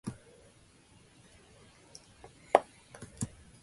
Homologous recombinational repair is especially promoted during meiosis.